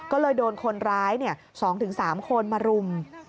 ก็เลยโดนคนร้าย๒๓คนมารุม